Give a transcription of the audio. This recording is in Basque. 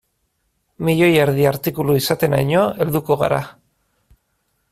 Milioi erdi artikulu izateraino helduko gara.